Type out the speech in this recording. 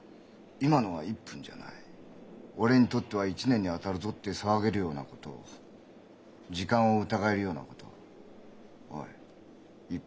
今のは１分じゃない俺にとっては１年にあたるぞ」って騒げるようなこと時間を疑えるようなことおいいっぱい味わえよ。